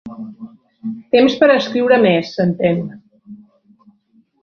Temps per escriure més, s'entén.